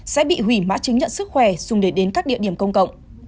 sẽ bị hủy mã chứng nhận sức khỏe dùng để đến các địa điểm công cộng